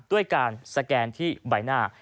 ด้วยการสแกนที่ใบหน้า